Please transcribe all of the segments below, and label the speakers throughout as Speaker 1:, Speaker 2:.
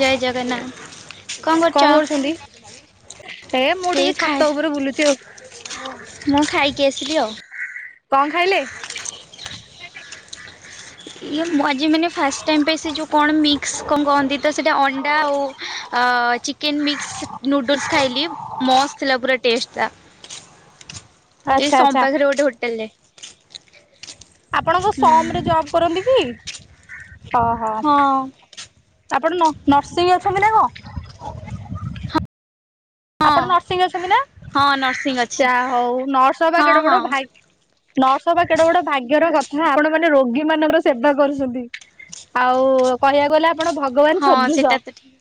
Speaker 1: ଜୟ ଜଗନ୍ନାଥ। କଣ କରୁଛ?
Speaker 2: ହେ ମୁଁ
Speaker 1: ଏଇ
Speaker 2: ଟିକେ
Speaker 1: ଖାଏ
Speaker 2: ଛାତ ଉପରେ ବୁଲୁଚି ଆଉ।
Speaker 1: ମୁଁ ଖାଇକି ଆସିଲି ଆଉ
Speaker 2: କଣ ଖାଇଲେ?
Speaker 1: ଇଏଁ ଆଜି ମାନେ ଫାଷ୍ଟ ଟାଇମ୍ ପାଇଁ ସେ ଯେଉଁ କଣ ମିକ୍ସ କଣ କହନ୍ତି ତ ସେଇଟା ଅଣ୍ଡା ଆଉ ଚିକେନ୍ ମିକ୍ସ ନୁଡ଼ୁଲ୍ସ ଖାଇଲି, ମସ୍ତ ଥିଲା ପୁରା ଟେଷ୍ଟ ଟା। ଏ
Speaker 2: ଆଚ୍ଛା
Speaker 1: ସମ୍
Speaker 2: ଆଚ୍ଛା।
Speaker 1: ପାଖରେ ଗୋଟେ ହୋଟେଲ ରେ।
Speaker 2: ଆପଣ କଣ ସମ୍ ରେ ଜବ କରନ୍ତି କି? ହଁ, ହଁ। ଆପଣ ନ-ନର୍ସିଂ ଅଛନ୍ତି ନା କଣ?
Speaker 1: ହଁ
Speaker 2: ଆପଣ ନର୍ସିଂ ଅଛନ୍ତି ନା?
Speaker 1: ହଁ ନର୍ସିଂ ଅଛି
Speaker 2: ଯହା ହଉ ନର୍ସ ହବା
Speaker 1: ହଁ
Speaker 2: କେଡେ ବଡ
Speaker 1: ହଁ
Speaker 2: ଭା ନର୍ସ ହବା କେଡେ ବଡ ଭାଗ୍ୟର କଥା, ଆପଣ ମାନେ ରୋଗୀ ମାନଙ୍କର ସେବା କରୁଛନ୍ତି। ଆଉ କହିବାକୁ ଗଲେ ଆପଣ ଭଗବାନ
Speaker 1: ହଁ ସେଟା
Speaker 2: ସଦୃଶ।
Speaker 1: ତ ଠିକ୍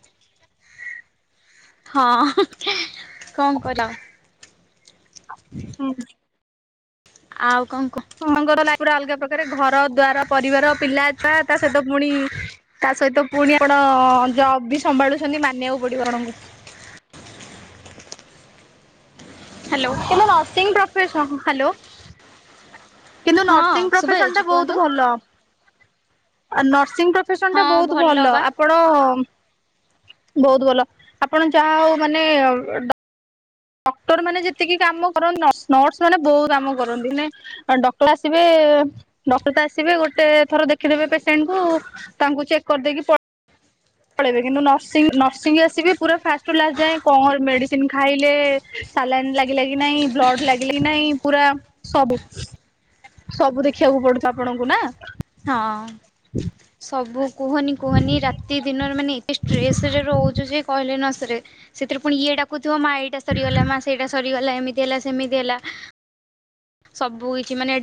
Speaker 1: ହଁ, କଣ କରିବା।
Speaker 2: ହୁଁ।
Speaker 1: ଆଉ କଣ କୁହ?
Speaker 2: ପୁଅ ଙ୍କର ଲାଇଫ୍ ପୁରା ଅଲଗା ପ୍ରକାର, ଘର ଦୁଆର ପରିବାର ପିଲା ଛୁଆ, ତା ସହିତ ଫୁଣି ତା ସହିତ ପୁଣି ଆପଣ ଜବ୍ ବି ସମ୍ଭାଳୁଛନ୍ତି, ମାନିବାକୁ ପଡିବ ଆପଣଙ୍କୁ।
Speaker 1: ହ୍ୟାଲୋ
Speaker 2: କିନ୍ତୁ ନର୍ସିଂ ପ୍ରଫସ- ହ୍ୟାଲୋ। କିନ୍ତୁ
Speaker 1: ହଁ
Speaker 2: ନର୍ସିଂ
Speaker 1: ଶୁଭା
Speaker 2: ପ୍ରଫେସନ ଟା
Speaker 1: ଯାଉଛି
Speaker 2: ବହୁତ
Speaker 1: କୁହନ୍ତୁ
Speaker 2: ଭଲ। ନସିଂ ପ ଫେସନ୍
Speaker 1: ହଁ
Speaker 2: ଟା ବହୁତ ଭଲ।
Speaker 1: ବା
Speaker 2: ଆପଣ ବହୁତ ଭଲ। ଆପଣ ଯାହା ହଉ ମାନେ ଡକ୍ଟର ମାନେ ଯେତିକି କାମ କରନ୍ତି, ନ-ନର୍ସ ମାନେ ବହୁ କାମ କରନ୍ତି। ମାନେ ଡକ୍ଟର ଆସିବେ, ଡକ୍ଟର ତ ଆସିବେ ଗୋଟେ ଥର ଦେଖିଦେବେ ପେସେଣ୍ଟ କୁ ତାଙ୍କୁ ଚେକ୍ କରିଦେଇକି ପ ପଳେଇବେ କିନ୍ତୁ ନର୍ସିଂ ନର୍ସିଂ ଆସିବି ପୁରା ଫାଷ୍ଟ ଟୁ ଲାଷ୍ଟ ଯାଏଁ କଣ ମେଡ଼ିସିନ ଖାଇଲେ ସାଲାଇନ୍ ଲାଗିଲା କି ନାଇଁ ନାହିଁ? ବ୍ଲଡ ଲାଗିଲା କି ନାଇଁ? ପୁରା ସବୁ। ସବୁ ଦେଖିବାକୁ ପଡୁଥ ଆପଣଙ୍କୁ ନା?
Speaker 1: ହଁ, ସବୁ କୁହନି କୁହନି ରାତି ଦିନରେ ମାନେ ଏତେ ଷ୍ଟ୍ରେସରେ ରହୁଚୁ ଯେ, କହିଲେ ନ ସରେ। ସେଥିରେ ପୁଣି ଇଏ ଡାକୁ ଥିବ, ମା ଏଇଟା ସରିଗଲା ମା ସେଇଟା ସରିଗଲା ଏମିତି ହେଲା ସେମିତି ହେଲା। ସବୁ କିଛି ମାନେ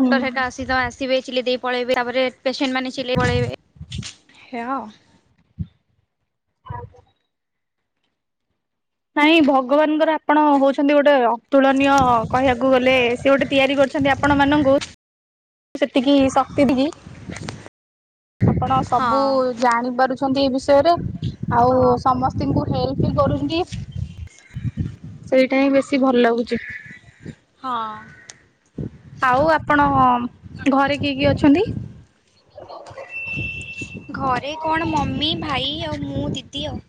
Speaker 2: ହୁଁ
Speaker 1: ସେଟା ଆସ- ଆସିବେ ଚିଲେଇ ଦେଇ ପଳେଇବେ ତାପରେ ପେସେଣ୍ଟ ମାନେ ଚିଲେଇ ପଳେଇବେ, ସେଇଆ ଆଉ।
Speaker 2: ନାଇଁ ଭଗବାନଙ୍କର ଆପଣ ହଉଛନ୍ତି ଗୋଟେ, ର ତୁଳନୀୟ କହିବାକୁ ଗଲେ ସିଏ ଗୋଟେ ତିଆରି କରିଛନ୍ତି ଆପଣ ମାନଙ୍କୁ ସେତିକି ଶକ୍ତି ଟି କି ଆପଣ ସବୁ
Speaker 1: ଆଉ।
Speaker 2: ଜାଣି ପାରୁଛନ୍ତି ଏଇ ବିଷୟରେ, ଆଉ ସମସ୍ତଙ୍କୁ ହେଲ୍ପ ବି କରୁଛନ୍ତି। ସେଇଟା ହିଁ ବେଶୀ ଭଲ ଲାଗୁଛି।
Speaker 1: ହଁ।
Speaker 2: ଆଉ ଆପଣ ଘରେ କିଏ କିଏ ଅଛନ୍ତି?
Speaker 1: ଘରେ କଣ, ମମି, ଭାଇ ଆଉ ମୁଁ ଦିଦି ଆଉ।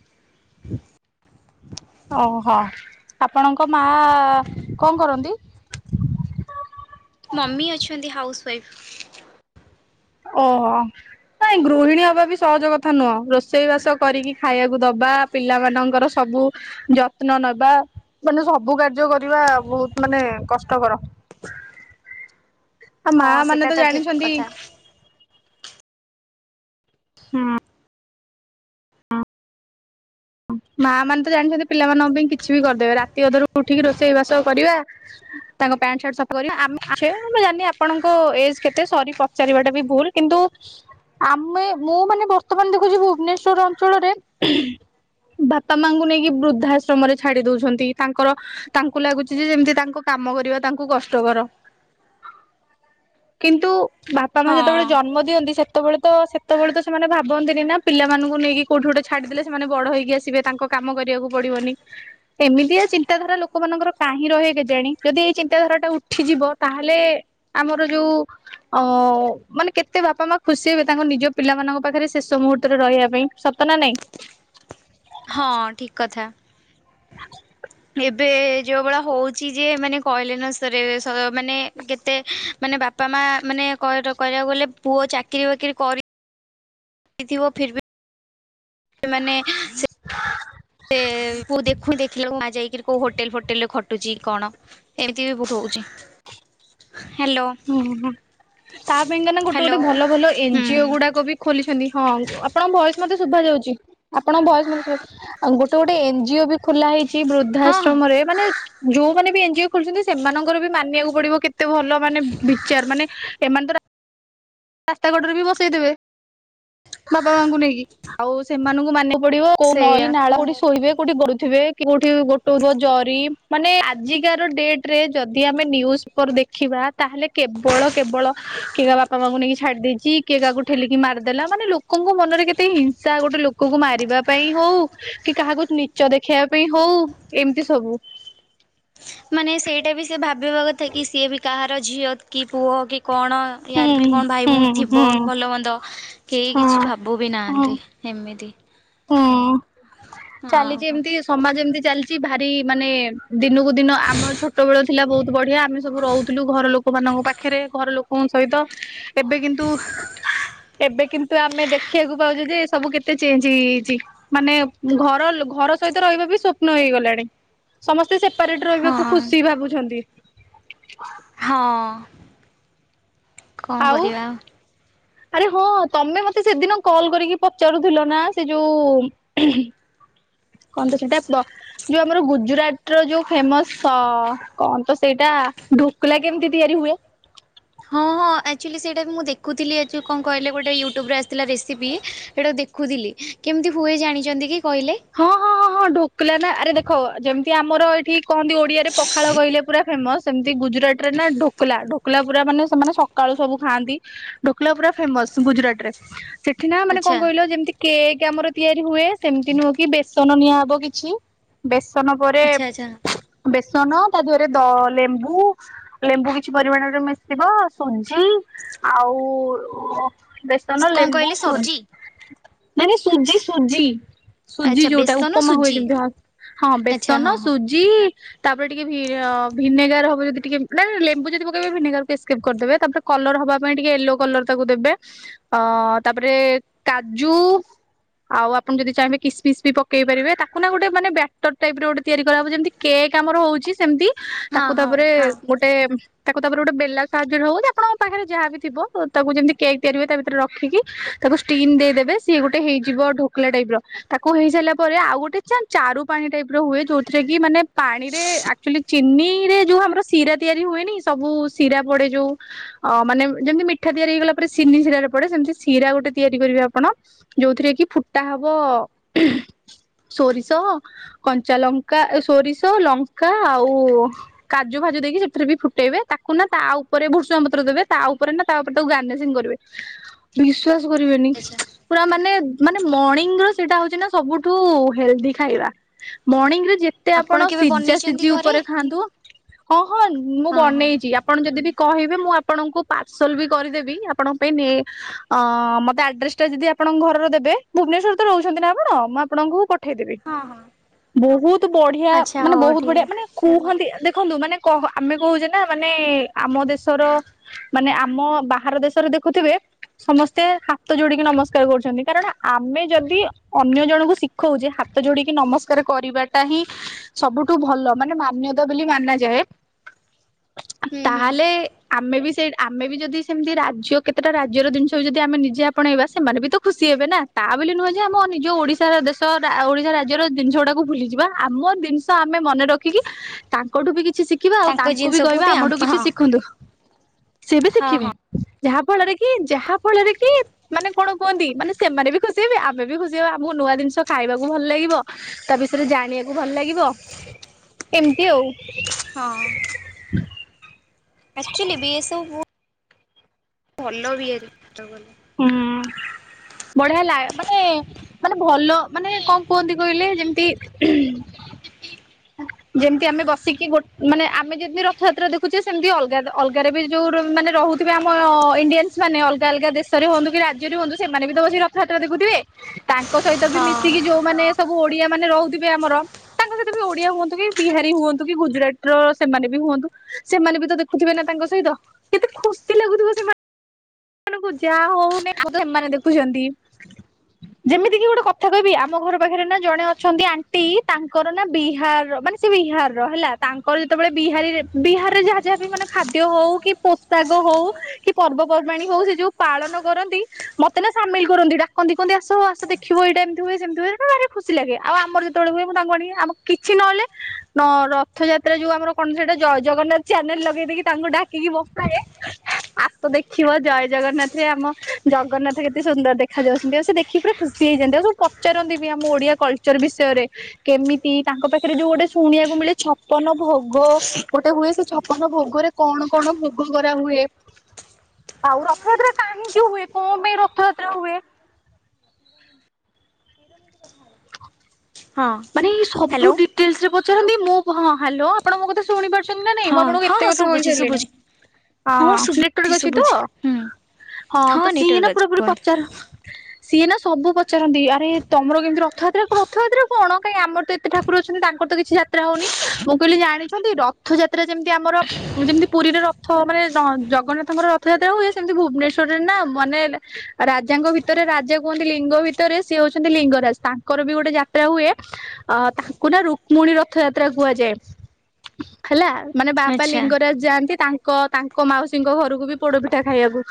Speaker 2: ଓହୋ। ଆପଣଙ୍କ ମା କଣ କରନ୍ତି?
Speaker 1: ମମି ଅଛନ୍ତି ହାଉସ୍ ୱାଇଫ୍।
Speaker 2: ଓହୋ। ନାଇଁ ଗୃହିଣୀ ହବା ବି ସହଜ କଥା ନୁହଁ। ରୋଷେଇ ବାସ କରିକି ଖାଇବାକୁ ଦବା ପିଲା ମାନଙ୍କର ସବୁ ଯତ୍ନ ନବା ମାନେ ସବୁ କାର୍ଯ୍ୟ କରିବା, ବହୁତ ମାନେ କଷ୍ଟକର। ଆଉ ମା
Speaker 1: ହଁ
Speaker 2: ମାନେ
Speaker 1: ସେଟା ତ ଠିକ
Speaker 2: ଜାଣିଛନ୍ତି
Speaker 1: କଥା।
Speaker 2: ହୁଁ। ମା ମାନେ ତ ଜାଣିଛନ୍ତି ପିଲାମାନଙ୍କ ପାଇଁ କିଛି ବି କରିଦେବେ। ରାତି ଅଧରୁ ଉଠିକି ରୋଷେଇ ବାସ କରିବା ତାଙ୍କ ପ୍ୟାଣ୍ଟ ସାର୍ଟ ସବୁ ସଫା କ- ଆମେ- ଆ-ଝିଅ ମୁଁ ଜାଣିନି ଆପଣଙ୍କ ଏଜ କେତେ? ସରି ପ ଚାଲିବାଟା ବି ଭୁଲ କିନ୍ତୁ, ଆମେ ମୁଁ ମାନେ ବର୍ତ୍ତମାନ ଦେଖୁଛି ଭୁବନେଶ୍ଵର ଅଞ୍ଚଳରେ ବାପା ମାଙ୍କୁ ନେଇକି ବୃଦ୍ଧାଶ୍ରମରେ ଛାଡି ଦଉଛନ୍ତି। ତାଙ୍କର ତାଙ୍କୁ ଲାଗୁଛି ଯେ ଯେମିତି ତାଙ୍କ କାମ କରିବା ତାଙ୍କୁ କଷ୍ଟକର। କିନ୍ତୁ ବାପା ମା
Speaker 1: ହଁ
Speaker 2: ଯେତେବେଳେ ଜନ୍ମ ଦିଅନ୍ତି ସେ ତେବେଳେ ତ ସେତେବେଳେ ତ ସେମାନେ ଭାବନ୍ତିିନି ନା! ପିଲମାନଙ୍କୁ ନେଇକି କଉଠି ଗୋଟେ ଛାଡିଦଲେ ସେମାନେ ବଡ଼ ହେଇକି ଆସି ବେ, ତାଙ୍କ କାମ କରିବାକୁ ପଡିବନି। ଏମିତିଆ ଚିନ୍ତାଧାରା ଲୋକମାନଙ୍କର କାହିଁ ରହେ କେଜାଣି! ଯଦି ଏଇ ଚିନ୍ତାଧାରା ଟା ଉଠିଯିବ? ତାହେଲେ ଆମର ଯୋଉ ଆ ମାନେ କେତେ ବାପା ମା ଖୁସି ହେବେ, ତାଙ୍କ ନିଜ ପିଲାମାନଙ୍କ ପାଖରେ ଶେଷ ମୁହୂର୍ତ୍ତରେ ରହିବା ପାଇଁ। ସତ ନା ନାଇଁ?
Speaker 1: ହଁ। ଠିକ କଥା। ଏବେ ଯୋଉ ଭଳିଆ ହଉଛି ଯେ ମାନେ କହିଲେ ନ ସରେ। ସେ ମାନେ କେତେ ମାନେ ବାପା ବାପା ମା ମାନେ କହି କହିବାକୁ, ଗଲେ ପୁଅ ଚାକିରି ବାକିରି କରିଥିବ ଫିର ଭି ସେମାନେ ସେ ସେ କୁ ଦେଖୁ ଦେଖିଲାକୁ ମା ଯାଇକି କୋଉ ହୋଟେଲ ଫୋଟେଲରେ ଖଟୁଛି କଣ? ଏମିତି ବି ବହୁତ ହଉଛି। ହେଲୋ।
Speaker 2: ହୁଁ ତା ପାଇଁ କା ନା ଗୋଟେ ଗୋଟେ ଭଲ ଭଲ
Speaker 1: ହୁଁ
Speaker 2: ଏନଜିଓ ଗୁଡାକ ବି ଖୋଲିଛନ୍ତି। ହଁ ଆପଣଙ୍କ ଭଏସ ମତେ ଶୁଭା ଯାଉଛି। ଆପଣଙ୍କ ଭଏସ ମତେ ଶୁ ଆଉ ଗୋଟେ ଗୋଟେ ଏନଜିଓ ବି ଖୋଲା ହେଇଛି
Speaker 1: ହଁ ହଁ।
Speaker 2: ବୃଦ୍ଧାଶ୍ରମରେ। ମାନେ ଯୋଉମାନେ ବି ଏନଜିଓ ଖୋଲଛନ୍ତି ସେମାନଙ୍କର ବି ମାନିବାକୁ ପଡିବ କେତ ଏତେ ଭଲ ମାନେ ବିଚାର ମାନେ ଏମାନେତ ରାସ୍ତା କଡରେ ବି ବସେଇ ଦବେ ବାପା ମାଙ୍କୁ ନେଇକି। ଆଉ ସେମାନଙ୍କୁ ମାନେ ପଡିବ! କୋଉ ନଈଁ
Speaker 1: ସେଇଆ
Speaker 2: ନାଳ
Speaker 1: କଣ
Speaker 2: କୋଉଠି ସୋଇବେ କୋଉଠି ଗଡୁଥିବେ! କୋଉଠି ଗୋଟେଇବ ଜରି। ମାନେ ଆଜିକାର ଡେଟ୍ ରେ ଯଦି ଆମେ ନ୍ୟୁଜ ଧର ଦେଖିବା? ତାହେଲେ କେବଳ କେବଳ [inaudible] ବାପା ମାଙ୍କୁ ନେଇକି ଛାଡି ଦେଇଛି। କିଏ କାହାକୁ ଠେଲିକି ମାରିଦେଲା। ମାନେ ଲୋକଙ୍କ ମନରେ କେତେ ହିଂସା ଗୋଟେ ଲୋକକୁ ମାରିବା ପାଇଁ ହଉ। କି କାହାକୁ ନିଚ୍ଚ ଦେଖେଇବା ପାଇଁ ହଉ? ଏମିତି ସବୁ।
Speaker 1: ମାନେ ସେଇଟା ବି ସେ ଭାବିବା କଥା କି ସିଏ ବି କାହାର ଝିଅ କି ପୁଅ କି କଣ?
Speaker 2: ହୁଁ
Speaker 1: ୟାର ବି କଣ ଭାଇ
Speaker 2: ହୁଁ
Speaker 1: ଭଉଣୀ
Speaker 2: ହୁଁ
Speaker 1: ଥିବ ଭଲ ମନ୍ଦ! କେହି
Speaker 2: ହଁ
Speaker 1: କିଛି ଭାବୁ ବି ନାହାନ୍ତି ଏମିତି। ଏମିତି।
Speaker 2: ହୁଁ। ଚାଲିଛି
Speaker 1: ହଁ
Speaker 2: ଏମିତି। ସମାଜ ଏମିତି ଚାଲିଛି। ଭାରି ମାନେ ଦିନକୁ ଦିନ ଆମ ଛୋଟ ବେଳ ଥିଲା ବହୁତ ବଢିଆ। ଆମେ ସବୁ ରହୁ ଥିଲୁ ଘର ଲୋକ ମାନଙ୍କ ପାଖରେ ଘର ଲୋକଙ୍କ ସହିତ ଏବେ କିନ୍ତୁ ଏବେ କିନ୍ତୁ ଆମେ ଦେଖିବାକୁ ପାଉଛୁ ଯେ ସବୁ କେତେ ଚେଞ୍ଜ ଜ ହେଇଯାଇଛି। ମାନେ ଘର ଘର ସହିତ ରହିବା ବି ସ୍ୱପ୍ନ ହେଇଗଲାଣି! ସମସ୍ତେ ସେ ସେପାରେଟ ରହିବାକୁ
Speaker 1: ହଁ
Speaker 2: ଖୁସି ଭାବୁଛନ୍ତି!
Speaker 1: ହଁ। କଣ
Speaker 2: ଆଉ?
Speaker 1: କରିବା
Speaker 2: ଆରେ ହଁ! ତମେ ମତେ ସେଦିନ କଲ କରିକି ପଚାରୁଥିଲ ନା ସେ ଯୋଉ କଣ ତ ସେଟା ଯୋଉ ଆମର ଗୁଜୁରାଟ ର ଯୋଉ ଫେମସ କଣ ତ ସେଇଟା ଢୋକଲା କେମିତି ତିଆରି ହୁଏ?
Speaker 1: ହଁ ହଁ। ଆକ୍ଚୁଆଲି ସେଇଟା ବି ମୁଁ ଦେଖୁଥିଲି। ଆ ଯୋଉ କଣ କହିଲ ଗୋଟେ ୟୁଟ୍ୟୁବ ରେ ଆସିଥିଲା ରେସିପି ସେଇଟା ଦେ ଖୁ ଥିଲି। କେମିତି ହୁଏ ଜାଣିଛନ୍ତି କି କହିଲେ?
Speaker 2: ହଁ ହଁ ହଁ ହଁ। ଢୋକଲା ନା! ଆରେ ଦେଖ। ଯେମିତି ଆମର ଏଠି କହନ୍ତି ଓଡିଆରେ ପଖାଳ କହିଲେ ପୁରା ଫେମସ। ସେମିତି ଗୁଜୁରାଟ ରେ ନା ଢୋ ଢୋକ ଢୋକଲା ପୁରା ମାନେ ସେମାନେ ସକାଳୁ ସବୁ ଖାଆନ୍ତି। ଢୋକଲା ପୁରା ଫେମସ ଗୁଜୁରାଟରେ। ସେଠି ନା ମାନେ କଣ
Speaker 1: ଆଚ୍ଛା
Speaker 2: କହିଲ ଯେମିତି କେକ୍ ଆମର ତିଆରି ହୁଏ? ସେମିତି ନୁହଁ। ଟିକି ବେସନ ନିଆ ହବ କିଛି। ବେସନ ପରେ
Speaker 1: ଆଚ୍ଛା ଆଚ୍ଛା
Speaker 2: ବେସନ ତା ଦେହରେ ଦ ଅ ଲେମ୍ବୁ ଲେମ୍ବୁ କିଛି ପରିମାଣରେ ମିଶିବ ସୁଜି ଆଉ ବେସ୍ ସନ
Speaker 1: କଣ
Speaker 2: ଲେମ୍ବୁ
Speaker 1: କହିଲେ
Speaker 2: ସୁଜ୍
Speaker 1: ସବଜି?
Speaker 2: ନାଇଁ ନାଇଁ ସୁଜି ସୁଜି। ସୁଜି
Speaker 1: ଆଚ୍ଛା
Speaker 2: ଯୋଉଟା
Speaker 1: ବେସନ
Speaker 2: ଉପମା ହୁଏ
Speaker 1: ସୁଜି
Speaker 2: ଯେମତି ହଁ ହଁ
Speaker 1: ଆଚ୍ଛା
Speaker 2: ବେସନ,
Speaker 1: ହଁ ହଁ
Speaker 2: ସୁଜି। ତାପରେ ଟିକେ ଭି ର ଭିନେଗାର ହବ ଯଦି ଟିକେ ନାଇଁ ନାଇଁ ଲେମ୍ବୁ ଯଦି ପକେଇବେ ଭିନେଗାର କୁ ଟିକେ ସ୍କିପ୍ କରିଦେବେ ତାପରେ କଲର୍ ହବା ପାଇଁ ଟିକେ ୟେଲୋ କଲର୍ ତାକୁ ଦେବେ ଅ ତାପରେ କାଜୁ ଆଉ ଆପଣ ଯଦି ଚାହିଁବେ କିସମିସ୍ ବି ପକେଇ ପାରିବେ। ତାକୁ ନା ଗୋଟେ ମାନେ ବ୍ୟାଟର୍ ଟାଇପ୍ ର ଗୋଟେ ତିଆରି କରାହବ। ଯେମିତି କେକ୍ ଆମର ହଉଚି ସେମତି। ତାକୁ
Speaker 1: ହଁ ହଁ
Speaker 2: ତାପରେ
Speaker 1: ହଁ।
Speaker 2: ଗୋଟେ ତାକୁ ତାପରେ ଗୋଟେ ବେଲା ସାହାଯ୍ୟରେ ହଉ କି ଆପଣଙ୍କ ପାଖରେ ଯାହା ବି ଥିବ ତାକୁ ଯେମିତି କେକ୍ ତିଆରି ହୁଏ ତା ଭିତରେ ରଖିକି ତାକୁ ଷ୍ଟିମ ଦେଇଦେବେ ସିଏ ଗୋଟେ ହେଇଯିବ ଢୋକଲା ଟାଇପ ର। ତାକୁ ହେଇସାରିଲା ପରେ ଆଉ ଗୋଟେ ଚାନ୍ ଚାରୁ ପାଣି ଟାଇପ ର ହୁଏ ଯୋଉଥିରେ କି ମାନେ ପାଣିରେ ଆକଚୁଲି ଚିନି ରେ ଯୋଉ ଆମର ଶିରା ତିଆରି ହୁଏନି ସବୁ ଶିରା ପଡେ ଯୋଉ ଅ ମାନେ ଯେମିତି ମିଠା ତିଆରି ହେଇଗଲା ପରେ ସିନି ଶିରାରେ ପଡେ ସେମତି ଶିରା ଗୋଟେ ତିଆରିି କରିବେ ଆପଣ ଯୋଉଥିରେ କି ଫୁଟା ହବ।
Speaker 1: [inaudible]
Speaker 2: ସୋରିଷ, କଞ୍ଚା ଲଙ୍କା ସୋରିଷ ଲଙ୍କା ଆଉ କାଜୁ ଭାଜି ଦେଇକି ସେଥିରେ ବି ଫୁଟେଇବେ ତାକୁ ନା ତା ଉପରେ ଭୃସଙ୍ଗ ପତ୍ର ଦେବେ ତା ଉପରେ ନା ତା ଉପରେ ତାକୁ ଗାର୍ନିସିଂ କରିବେ।
Speaker 1: [inaudible]
Speaker 2: ବିଶ୍ଵାସ କରିବେନି
Speaker 1: ଆଚ୍ଛା
Speaker 2: ପୁରା ମାନେ ମାନେ ମର୍ଣିଂ ର ସେଟା ହଉଚି ଯେମିତି ତାଙ୍କର ସବୁଠୁ ହେଲଦି ଖାଇବା। ମର୍ଣିଂ ରେ ଯେ ତେ ଆପଣ
Speaker 1: କେବେ
Speaker 2: ସିଜା
Speaker 1: ବନେଇଛନ୍ତି
Speaker 2: ସିଜି
Speaker 1: ଘରେ?
Speaker 2: ଉପରେ ଖାଆନ୍ତୁ। ହଁ ହଁ ମୁଁ
Speaker 1: ହଁ ହଁ
Speaker 2: ବନେଇଚି ଆପ୍ ଆପଣ ଯଦି ବି କହିବେ ମୁଁ ଆପଣଙ୍କୁ ପାର୍ସଲ ବି କରିଦେବି। ଆପଣଙ୍କ ପାଇଁ ନେ ଅ ମତେ ଆଡ୍ରେସ ଟା ଯେଦି ଆପଣଙ୍କ ଘରର ଦେବେ ଭୁବନେଶ୍ୱର ତ ରହୁଛନ୍ତି ନା। କୁଣ ମୁଁ ଆପଣଙ୍କୁ ପଠେଇଦେବି।
Speaker 1: ହଁ ହଁ
Speaker 2: ବହୁତ୍ ବଢିଆ
Speaker 1: ଆଚ୍ଛା
Speaker 2: ମାନେ
Speaker 1: ହଉ
Speaker 2: ବହୁତ୍
Speaker 1: ଠିକ୍
Speaker 2: ବଢିଆ ମାନେ କୁହନ୍ତି ଦେଖନ୍ତୁ ମାନେ କହ ଆମେ କହୁଛେ ନା ମାନେ ଆମ ଦେଶର ମାନେ ଆମ ବାହାର ଦେଶରେ ଦେଖୁଥିବେ। ସମସ୍ତେ ହାତ ଯୋଡିକି ନମସ୍କାର କରୁଚନ୍ତି କାରଣ ଆମେ ଯଦି ଅନ୍ୟ ଜଣଙ୍କୁ ଶିଖଉଚେ ହାତ ଯୋଡିକି ନମସ୍କାର କରିବାଟା ହିଁ ସବୁଠୁ ଭଲ ମାନେ ମାନ୍ୟତା ବୋଲି ମାନା ଯାଏ।
Speaker 1: ହ
Speaker 2: ତାହାଲେ ଆମେ ବି ସେଇ ଆମେ ବି ଯଦି ସେମିତି ରାଜ୍ୟ କେତେଟା ରାଜ୍ୟର ଜିନିଷ ବି ଯଦି ଆମେ ନିଜେ ଆପଣେଇବା ସେମାନେ ବି ତ ଖୁସି ହେବେ ନା। ତା ବୋଲି ନୁହଁ ଯେ ଆମ ଅନ୍ୟ ନିଜ ଓଡିଶାର ଦେଶରା ଆ ଓଡିଶା ରାଜ୍ୟର ଜିନିଷ ଗୁଡାକୁ ଭୁଲିଯିବା ଆମ ଜିନିଷ ଆମେ ମନେ ରଖିକି ତାଙ୍କଠୁ ବି କିଛି ଶିଖିବା। ଆଉ
Speaker 1: ତାଙ୍କ
Speaker 2: ତାଙ୍କୁ ବି
Speaker 1: ଜିନିଷକୁ
Speaker 2: କହିବା
Speaker 1: ଆମ୍
Speaker 2: ଆମଠୁ କିଛି
Speaker 1: ହଁ
Speaker 2: ଶିଖନ୍ତୁ। ସିଏ ବି
Speaker 1: ହଁ
Speaker 2: ଶିଖିବେ।
Speaker 1: ହଁ
Speaker 2: ଯାହା ଫଳରେ କି ଯାହା ଫଳରେ କି ମାନେ କଣ କୁହନ୍ତି ମାନେ ସେମାନେ ବି ଖୁସି ହେବେ ଆମେ ବି ଖୁସି। ଯାଅଉ ଆମକୁ ନୂଆ ଜିନିଷ ଖାଇବାକୁ ଭଲ ଲାଗିବ। ତା ବିଷୟରେ ଜାଣିବାକୁ ଭଲ ଲାଗିବ। ଏମତି ଆଉ।
Speaker 1: ହଁ। ଏକ୍ଚୁଲି ବି ଏ ସବୁ ଭଲ ବି ଇଏରେ [unintelligible] ଗଲ।
Speaker 2: ହୁଁ। ବଢିଆ ଲାଗ ମାନେ ମାନେ ଭଲ ମାନେ କଣ କୁହନ୍ତି କହିଲେ ଯେମତି ଯେମତି ଆମେ ବସିକି ଗୋଟ୍ ମାନେ ଆମେ ଯେମିତି ରଥଯାତ୍ରା ଦେଖୁଚେ ସେମତି ଅଲଗା ଦ ଅଲଗାରେ ବି ଯୋଉ ମାନେ ରହୁଥିବେ ଆମ ଅ ଇଣ୍ଡିଆନ୍ସ ମାନେ ଅଲଗା ଅଲଗା ଦେଶରେ ହୁଅନ୍ତୁ କି ରାଜ୍ୟରେ ହୁଅନ୍ତୁ ସେମାନେ ବି ତ ବସି ର ତ ଯାତ୍ରା ଦେଖୁଥିବେ ତାଙ୍କ ସହିତ ବି
Speaker 1: ହଁ
Speaker 2: ମିଶିକି ଯୋଉମାନେ ସବୁ ଓଡିଆ ମାନେ ରହୁଥିବେ ଆମର ସେ ବି ଓଡିଆ ହୁଅନ୍ତୁ କି ବିହାରୀ ହୁଅନ୍ତୁ କି ଗୁଜୁରାଟର ସେମାନେ ବି ହୁଅନ୍ତୁ। ସେମାନେ ବି ତ ଦେଖୁଥିବେ ନା ତାଙ୍କ ସହିତ କେତେ ଖୁସି ଲାଗୁଥିବ ସେମାନ ସେମାନଙ୍କୁ ଯାଆ ହଉନି ଆଉ ତ ସେମାନେ ଦେଖୁଚନ୍ତି।
Speaker 1: ହ
Speaker 2: ଯେମିତିକି ଗୋଟେ କଥା କହିବି ଆମ ଘର ପାଖରେ ନା ଜଣେ ଅଛନ୍ତି ଆଣ୍ଟି ତାଙ୍କର ନା ବିହାର ମାନେ ସେ ବିହାରର ହେଲା ତାଙ୍କର ଯେତେବେଳେ ବିହାରୀରେ ବିହାରରେ ଯାହା ଯାହା ବି ମାନେ ଖାଦ୍ୟ ହଉ କି ପୋଷାକ ହଉ କି ପର୍ବପର୍ବାଣୀ ହଉ ସେ ଯୋଉ ପାଳନ କରନ୍ତି ମତେ ନା ସାମିଲ କରନ୍ତି ଡାକନ୍ତି କହନ୍ତି ଆସ ଆସ ଦେଖିବ ଏଇଟା ଏମିତି ହୁ ସେମତି ହୁଏ ଆରେ ଖୁ ଖୁସି ଲାଗେ ଆଉ ଆମର ଯେତେବେଳେ ହୁଏ ମୁଁ ତାଙ୍କୁ ଆଣିକି ଆମ କିଛି ନହେଲେ ନ ରଥଯାତ୍ରା ଯୋଉ ଆମର କଣ ସେଇଟା ଜୟ ଜଗନ୍ନାଥ ଚ୍ୟାନେଲ ଲଗେଇ ଦେଇକି ତାଙ୍କୁ ଡାକିକି ବସାଏ ଆସ ଦେଖି ଦେଖିବ ଜୟ ଜଗନ୍ନାଥ ରେ ଆମ ଜଗନ୍ନାଥ କେତେ ସୁନ୍ଦର ଯାଉଛନ୍ତି ଆଉ ସେ ଦେଖିକି ପୁରା ଖୁସି ହେଇଯାନ୍ତି ଆଉ ସବୁ ପଚାରନ୍ତି ବି ଆମ ଓଡିଆ କଲଚର ବିଷୟରେ। କେମିତି ତାଙ୍କ ପାଖରେ ଯୋଉ ଗୋଟେ ଶୁଣିବାକୁ ମିଳେ ଛପନ ଭୋଗ ଗୋଟେ ହୁଏ ସେ ଛପନ ଭୋଗରେ କଣ କଣ ଭୋଗ କରାହୁଏ। ଆଉ ରଥଯାତ୍ରା କାହିଁକି ହୁଏ କଣ ପାଇଁ ରଥଯାତ୍ରା ହୁଏ।
Speaker 1: ହଁ
Speaker 2: ମାନେ ଏ ସବୁ
Speaker 1: ହ୍ୟାଲୋ
Speaker 2: ଡିଟେଲସ ରେ ପଚାରନ୍ତି ମୁଁ ହଁ ହ୍ୟାଲୋ ଆପଣ ମୋ କଥା ଶୁଣି ପାରୁଛନ୍ତି ନା ନାଇଁ
Speaker 1: ହଁ
Speaker 2: ମୁଁ ଆପଣଙ୍କୁ
Speaker 1: ହଁ
Speaker 2: ଏତେ
Speaker 1: ହଁ
Speaker 2: କଥା କହି
Speaker 1: ଶୁଭୁଛି
Speaker 2: ସାରିଲିଣି।
Speaker 1: ଶୁଭୁଛି।
Speaker 2: ହଁ
Speaker 1: ଶୁଭୁଛି
Speaker 2: ନେଟୱାର୍କ ଅଛି ତ
Speaker 1: ଶୁଭୁଛି ହୁଁ
Speaker 2: ହଁ ତ ସିଏ
Speaker 1: ନେଟୱାର୍କ
Speaker 2: ନା
Speaker 1: ଅଛି
Speaker 2: ପୁରା ପୁରି
Speaker 1: କୁହନ୍ତୁ
Speaker 2: ପଚାର ସିଏ ନା ସବୁ ପଚାରନ୍ତି ଆରେ ତମର କେମିତି ରଥଯାତ୍ରା କଣ ରଥଯାତ୍ରା କଣ କାଇଁ ଆମର ତ ଏତେ ଠାକୁର ଅଛନ୍ତି ତାଙ୍କର ତ କିଛି ଯାତ୍ରା ହଉନି ମୁଁ କହିଲି ଜାଣିଛନ୍ତି ରଥ ଯାତ୍ରା ଯେମିତି ଆମର ଯେମିତି ପୁରୀରେ ରଥ ମାନେ ଜଗନ୍ନାଥଙ୍କର ରଥଯାତ୍ରା ହୁଏ ସେମିତି ଭୁବନେଶ୍୍ୱରରେ ନା ମାନେ ରାଜାଙ୍କ ଭିତରେ ରାଜା କୁହନ୍ତି ଲିଙ୍ଗ ଭିତରେ ସେ ହଉଛନ୍ତି ଲିଙ୍ଗରାଜ ତାଙ୍କର ବି ଗୋଟେ ଜା ତ୍ରା ହୁଏ ଅ ତାଙ୍କୁ ନା ରୁକ୍ମଣୀ ରଥଯାତ୍ରା କୁହାଯାଏ। ହେଲା ମାନେ ବାବା
Speaker 1: ଆଚ୍ଛା।
Speaker 2: ଲିଙ୍ଗରାଜ ଯାଆନ୍ତି ତାଙ୍କ ତାଙ୍କ ମାଉସୀଙ୍କ ଘରକୁ ବି ପୋଡପିଠା ଖାଇବାକୁ।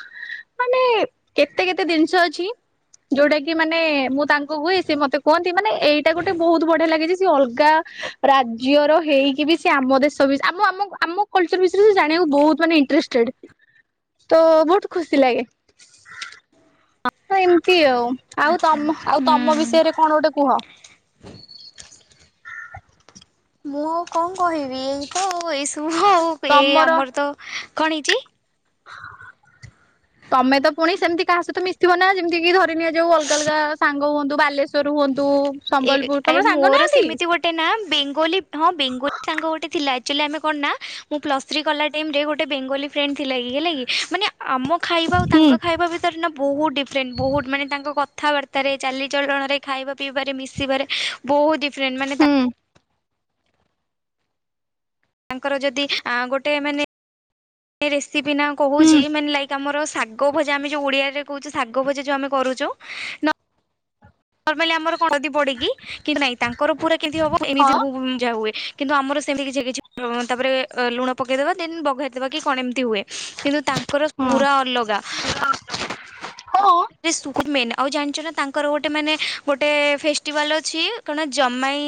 Speaker 2: ମାନେ କେତେ କେତେ ଜିନିଷ ଅଛି ଯୋଉଟା କି ମାନେ ମୁଁ ତାଙ୍କୁ ହୁଏ ସେ ମତେ କୁହନ୍ତି ମାନେ ଏଇଟା ଗୋଟେ ବହୁତ ବଢିଆ ଲାଗେଯେ ସେ ଅଲଗା ରାଜ୍ୟର ହେଇକି ବି ସେ ଆମ ଦେଶ ବି ଆମ ଆମ ଆମ କଲଚର୍ ବିଷୟରେ ସେ ଜାଣକୁ ବହୁତ ମାନେ ଇଣ୍ଟ୍ରେଷ୍ଟେଡ୍ ତ ବହୁତ ଖୁସି ଲାଗେ। ତ ଏମିତି ଆଉ ଆଉ ତମ ଆଉ ତମ
Speaker 1: ହୁଁ।
Speaker 2: ବିଷୟରେ କଣ ଗୋଟେ କୁହ।
Speaker 1: ମୁଁ କଣ କହିବି ଏଇ ତ ଏଇସବୁ ଆଉ ଏଇ
Speaker 2: ତମର
Speaker 1: ଆମର ତ କଣ ହେଇଚି?
Speaker 2: ତମେ ତ ପୁଣି ସେମିତି କାହା ସହିତ ମିଶଥିବ ନା ଯେମିତି କିି ଧରି ନିଆ ଯାଉ ଅଲଗା ଅଲଗା ସାଙ୍ଗ ହୁଅନ୍ତୁ ବାଲେଶ୍୍ୱର ହୁଅନ୍ତୁ ସମ୍ବଲପୁର
Speaker 1: ଆଏ
Speaker 2: ତମର ସାଙ୍ଗ
Speaker 1: ମୋର
Speaker 2: ନାହାନ୍ତି?
Speaker 1: ସେମିତି ଗୋଟେ ନା ବେଙ୍ଗଲୀ ହଁ ବେଙ୍ଗଲୀ ସାଙ୍ଗ ଗୋଟେ ଥିଲା। ଆକ୍ଚୁଆଲି ଆମେ କଣ ନା ମୁଁ ପ୍ଲସ୍ ଥ୍ରୀ କଲା ଟାଇମରେ ଗୋଟେ ବେଙ୍ଗଲୀ ଫ୍ରେଣ୍ଡ ଥିଲା କି ହେଲା କି ମାନେ ଆମ ଖାଇ ଖାଇବା ଆଉ
Speaker 2: ହୁଁ।
Speaker 1: ତାଙ୍କ ଖାଇବା ଭିତରେ ନା ବହୁତ ଡିଫରେଣ୍ଟ ବହୁତ ମାନେ ତାଙ୍କ କଥାବାର୍ତ୍ତା ଚାଲିଚଳଣ ରେ ଖାଇବା ପିଇବାରେ ମିଶିବାରେ ବହୁତ ଡିଫରେଣ୍ଟ ମାନେ ତା
Speaker 2: ହୁଁ।
Speaker 1: ତାଙ୍କର ଯଦି ଗୋଟେ ମାନେ ରେସିପି ନା କହୁଛି
Speaker 2: ହୁଁ
Speaker 1: ମାନେ ଲାଇକ୍ ତ ଆମର ଶାଗ ଭଜା ଆମେ ଯୋଉ ଓଡିଆରେ କହୁଛୁ ଶାଗ ଭଜା ଯୋଉ ଆମେ କରୁଛୁ ନ ନରମାଲି ଆମର କଣ ହଳଦୀ ପଡକି କି ନାଇଁ ତାଙ୍କର ପୁରା କେମିତି ହବ
Speaker 2: ହଁ
Speaker 1: ଏମିତି ମୁ ଯା ହୁଏ। କିନ୍ତୁ ଆମର ସେମିତି କିଛି କିଛି ତାପରେ ଲୁଣ ପକେଇଦବା ଦେନ୍ ବଘାରି ଦବା କି କଣ ଏମିତି ହୁଏ କିନ୍ତୁ ତା ତାଙ୍କର ପୁରା ଅଲଗା।
Speaker 2: ହଁ ହଁ
Speaker 1: ସୁପିରମେନ୍ ଆଉ ଜାଣିଛ ନା ତାଙ୍କର ଗୋଟେ ମାନେ ଗୋଟେ ଫେଷ୍ଟିଭାଲ ଅଛି କଣ ଜମାଇ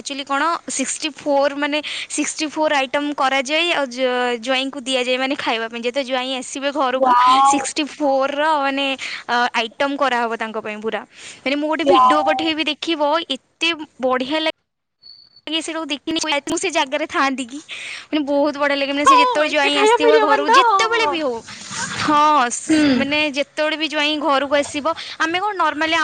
Speaker 1: ଆକ୍ଚୁଆଲି କଣ ସିକ୍ସଟି ଫୋର୍ ମାନେ ସିକ୍ସଟି ଫୋର୍ ଆଇଟମ୍ କରାଯାଏ ଆଉ ଜ ଜ୍ୱାଇଁଙ୍କୁ ଦିଆଯାଏ ମାନେ ଖାଇବା ପାଇଁ ଯେତେ ଜ୍ୱାଇଁ ଆସିବେ ଘରକୁ
Speaker 2: ୱାଓ
Speaker 1: ସିକ୍ସଟି ଫୋର ର ମାନେ ଆଇଟମ କରାହବ ତାଙ୍କ ପାଇଁ ପୁରା। ଆରେ ମୁଁ ଗୋଟେ ଭିଡିଓ ପଠେଇବି ଦେଖିବ ଏତେ ବଢିଆ ଲା ସେ ଟାକୁ ଦେଖିନି ଖାସ ମୁଁ ସେ ଜାଗାରେ ଥାଆନ୍ତି କି। ମାନେ ବହୁତ ବଢ଼ିଆ ଲାଗେ ମାନେ ସେ
Speaker 2: ହଁ
Speaker 1: ଯେତବେଳେ
Speaker 2: ଏତେ
Speaker 1: ଜ୍ୱାଇଁ
Speaker 2: ଖାଇବା
Speaker 1: ଆସିଥିବ
Speaker 2: ମିଳିବନି
Speaker 1: ଘରକୁ
Speaker 2: ତ ହଁ
Speaker 1: ଯେତେବେଳେ
Speaker 2: ହଁ।
Speaker 1: ବି ହଉ ହଁ ସେ
Speaker 2: ହୁଁ।
Speaker 1: ମାନେ ଯେତେବେଳେ ବି ଜ୍ୱାଇଁ ଘରକୁ ଆସିବ ଆମେ କଣ ନର୍ମାଲି